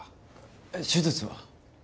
手術は？